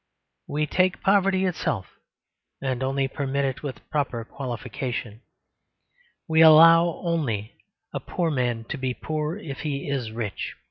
We take poverty itself and only permit it with a property qualification; we only allow a man to be poor if he is rich.